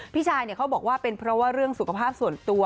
พี่ชายเขาบอกว่าเป็นเพราะว่าเรื่องสุขภาพส่วนตัว